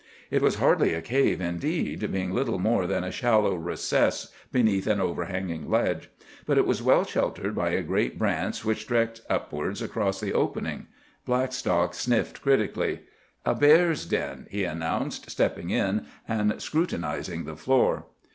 It was hardly a cave, indeed, being little more than a shallow recess beneath an overhanging ledge. But it was well sheltered by a great branch which stretched upwards across the opening. Blackstock sniffed critically. "A bear's den," he announced, stepping in and scrutinizing the floor.